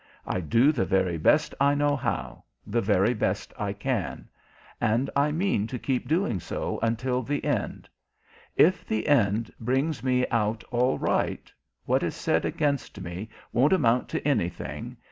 I do the very best I know how the very best I can; and I mean to keep doing so until the end. If the end brings me out all right, what is said against me won't amount to anything.